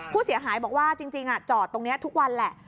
ผู้เสียหายบอกว่าจริงจอดตรงนี้ทุกวันแหละ